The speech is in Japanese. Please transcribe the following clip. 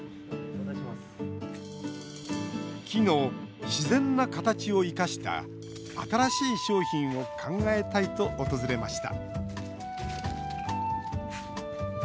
木の自然な形を生かした新しい商品を考えたいと訪れました